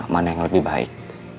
mana yang lebih baik